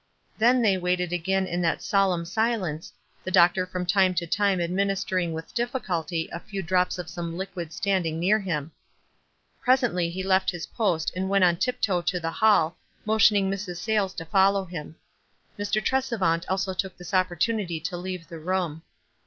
Then they waited again in that solemn silence, the doctor from time to time administering with difficulty a few drops of some liquid standing near him. Presently he left his post and went on tiptoe to the hall, motioning Mrs. Sayles to follow him. Mr. Tresevant also took this opportunity to leave the room.